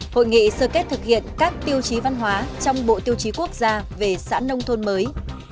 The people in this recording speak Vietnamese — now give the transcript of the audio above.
hội nghị sơ kết thực hiện các tiêu chí văn hóa trong bộ tiêu chí quốc gia về xã nông thôn mới